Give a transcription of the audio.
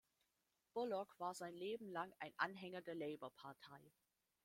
Bullock war sein Leben lang ein Anhänger der Labour-Partei.